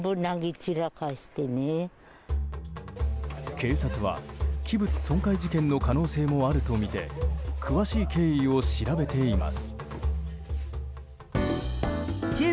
警察は器物損壊事件の可能性もあるとみて詳しい経緯を調べています。